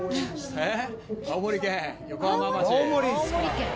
えっ！